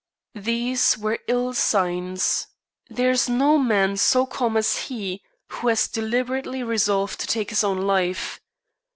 These were ill signs. There is no man so calm as he who has deliberately resolved to take his own life.